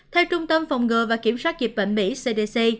theo trung tâm phòng ngừa và kiểm soát dịch bệnh mỹ cdc